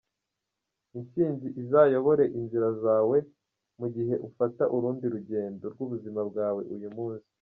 Intsinzi izayobore inzira zawe mu gihe ufata urundi rugendo rw’ubuzima bwawe uyu munsi.